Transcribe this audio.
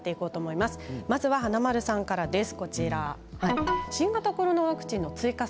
まずは華丸さんからです。